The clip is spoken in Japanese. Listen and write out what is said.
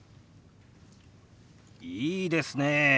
いいですねえ。